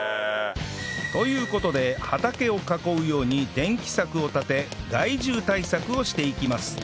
という事で畑を囲うように電気柵を立て害獣対策をしていきます